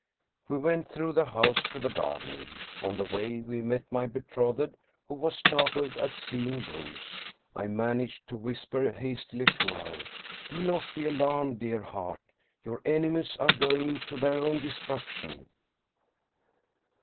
We went through the house to the garden. On the way we met my betrothed, who was startled at seeing Bruus. I managed to whisper hastily to her, " Do not be alarmed, dear heart. Your enemies are going to their own de struction."